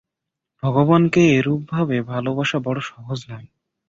ভগবানকে এরূপভাবে ভালবাসা বড় সহজ নয়।